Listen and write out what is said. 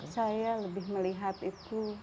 saya lebih melihat itu